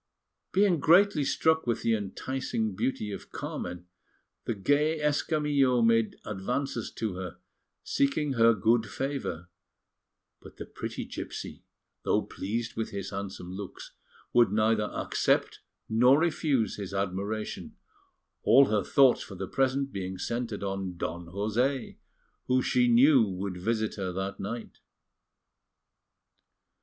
Being greatly struck with the enticing beauty of Carmen, the gay Escamillo made advances to her, seeking her good favour; but the pretty gipsy, though pleased with his handsome looks, would neither accept nor refuse his admiration, all her thoughts for the present being centred on Don José, who she knew would visit her that night.